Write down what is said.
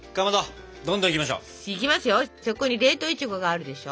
そこに冷凍いちごがあるでしょ？